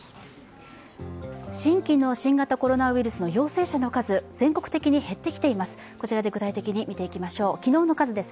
新規の新型コロナウイルスの陽性者の数、全国的に減ってきています。